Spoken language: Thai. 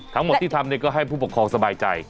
ทั้งหมดที่ทำก็ให้ผู้ปกครองสบายใจ